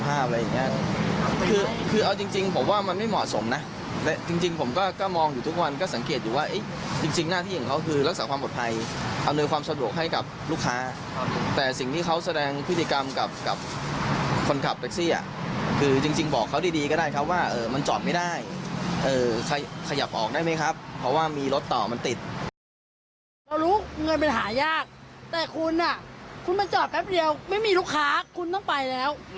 แท็กซี่เข้ามาส่งผู้โดยสารให้แท็กซี่เข้ามาส่งผู้โดยสารให้แท็กซี่เข้ามาส่งผู้โดยสารให้แท็กซี่เข้ามาส่งผู้โดยสารให้แท็กซี่เข้ามาส่งผู้โดยสารให้แท็กซี่เข้ามาส่งผู้โดยสารให้แท็กซี่เข้ามาส่งผู้โดยสารให้แท็กซี่เข้ามาส่งผู้โดยสารให้แท็กซี่เข้ามาส่งผู้โดยสารให้แท็กซี่เข้ามาส่งผู้โดยสารให้แ